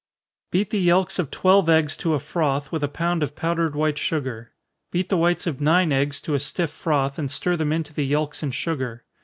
_ Beat the yelks of twelve eggs to a froth, with a pound of powdered white sugar. Beat the whites of nine eggs to a stiff froth, and stir them into the yelks and sugar.